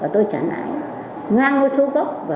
tôi chẳng nãi ngang với số gấp và vượt số gấp